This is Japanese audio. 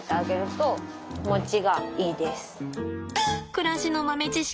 暮らしの豆知識